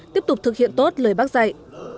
tiếp tục thực hiện tốt lời bắc dạy